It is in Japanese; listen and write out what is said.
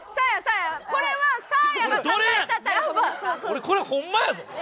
俺これホンマやぞ。